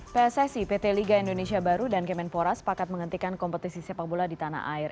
pssi pt liga indonesia baru dan kemenpora sepakat menghentikan kompetisi sepak bola di tanah air